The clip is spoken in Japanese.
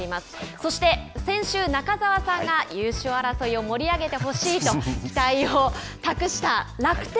そして先週、中澤さんが優勝争いを盛り上げてほしいと期待を託した楽天。